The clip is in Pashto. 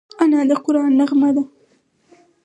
انا د قرآن نغمه ده